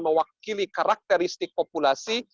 mewakili karakteristik populasi